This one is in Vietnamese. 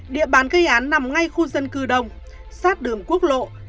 địa bàn gây án nằm ngay khu dân cư đông sát đường quốc lộ